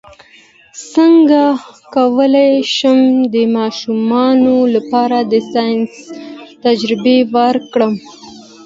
څنګه کولی شم د ماشومانو لپاره د ساینس تجربې وکړم